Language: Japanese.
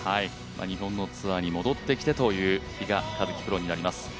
日本のツアーに戻ってきてという比嘉一貴プロになります。